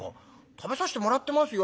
「食べさせてもらってますよ。